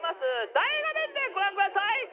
大画面でご覧ください！